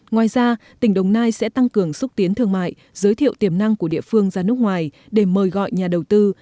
ngoài ra tỉnh đồng nai sẽ tăng cường xúc tiến thương mại giới thiệu tiềm năng của địa phương ra nước ngoài để mời gọi nhà đầu tư